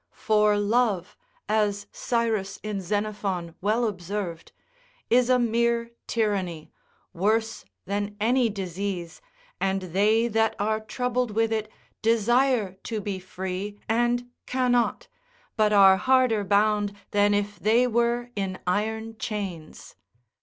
For love (as Cyrus in Xenophon well observed) is a mere tyranny, worse than any disease, and they that are troubled with it desire to be free and cannot, but are harder bound than if they were in iron chains.